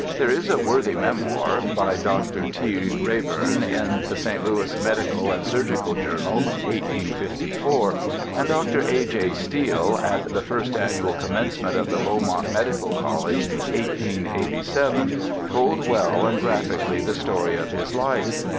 There is a worthy memoir by Dr. T. Rey burn in the St. Louis Medical and Surgical Journal, 1854, and Dr. A. J. Steele, at the first annual commencement of the Beaumont Medical College, 1887, told well and graphically the story of his life.